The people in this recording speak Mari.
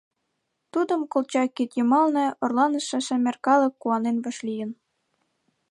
Тудым Колчак кид йымалне орланыше шемер калык куанен вашлийын.